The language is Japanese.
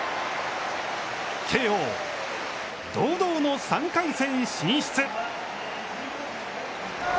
慶応、堂々の３回戦進出。